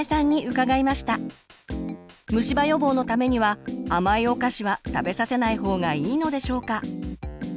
虫歯予防のためには甘いお菓子は食べさせない方がいいのでしょうか。